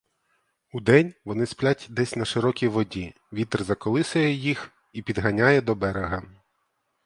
Удень вони сплять десь на широкій воді, вітер заколисує їх і підганяє до берега.